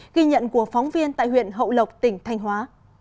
ghi nhận của phóng viên tại huyện hậu lộc tỉnh thanh hóa